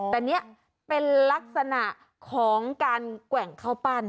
แต่นี่เป็นลักษณะของการแกว่งเข้าปั้น